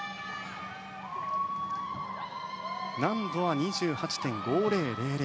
難度は２８．５０００。